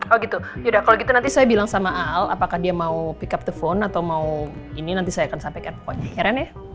oh gitu yaudah kalau gitu nanti saya bilang sama al apakah dia mau pick up the phone atau mau ini nanti saya akan sampaikan pokoknya heran ya